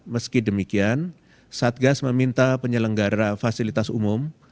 meski demikian satgas meminta penyelenggara fasilitas umum